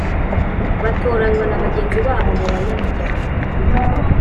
Batoranywa na bagenzi babo mu banyamuryango